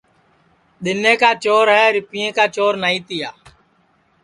دِؔنیں چور ہے رِپئیں کا چور نائی تِیا